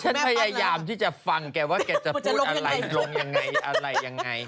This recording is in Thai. พยายามที่จะฟังแกว่าแกจะพูดอะไรลงยังไงอะไรยังไง